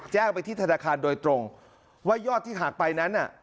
แจ้งไปที่ธนาคารโดยตรงว่ายอดที่หักไปนั้นน่ะ